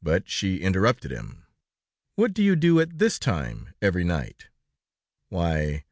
But she interrupted him: "What do you do at this time, every night?" "Why